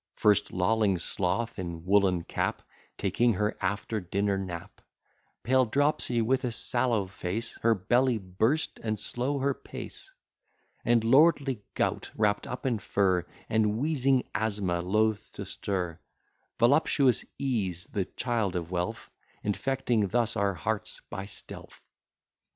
First, lolling Sloth, in woollen cap, Taking her after dinner nap: Pale Dropsy, with a sallow face, Her belly burst, and slow her pace: And lordly Gout, wrapt up in fur, And wheezing Asthma, loth to stir: Voluptuous Ease, the child of wealth, Infecting thus our hearts by stealth.